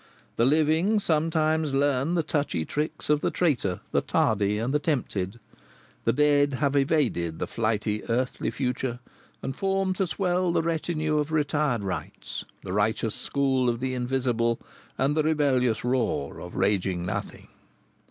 The living sometimes learn the touchy tricks of the traitor, the tardy, and the tempted; the dead have evaded the flighty earthly future, and form to swell the retinue of retired rights, the righteous school of the invisible, and the rebellious roar of raging nothing.